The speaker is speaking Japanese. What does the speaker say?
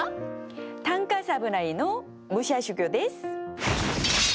短歌侍の武者修行です。